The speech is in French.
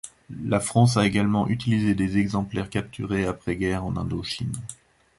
La France a également utilisé des exemplaires capturés après-guerre en Indochine.